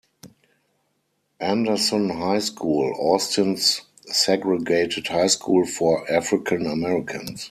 Anderson High School, Austin's segregated high school for African Americans.